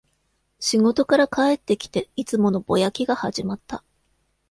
仕事から帰ってきて、いつものぼやきが始まった